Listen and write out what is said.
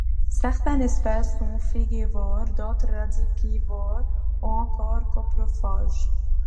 Certaines espèces sont frugivores, d'autres radicivores ou encore coprophages.